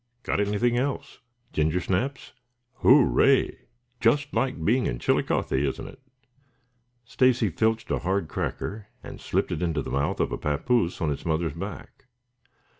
Got anything else?" "Ginger snaps?" "Hooray! Just like being in Chillicothe, isn't it?" Stacy filched a hard cracker and slipped it into the mouth of a papoose on its mother's back.